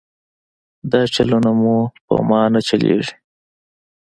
دا چلونه مو پر ما نه چلېږي.